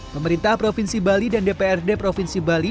pemerintah provinsi bali dan dprd provinsi bali